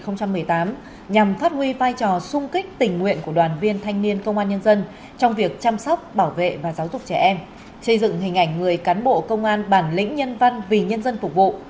năm hai nghìn một mươi tám nhằm phát huy vai trò sung kích tình nguyện của đoàn viên thanh niên công an nhân dân trong việc chăm sóc bảo vệ và giáo dục trẻ em xây dựng hình ảnh người cán bộ công an bản lĩnh nhân văn vì nhân dân phục vụ